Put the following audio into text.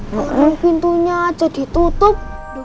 baru pintunya aja ditutup